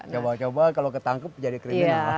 coba coba kalau ketangkep jadi kriminal